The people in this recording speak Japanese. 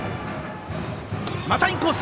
またインコース！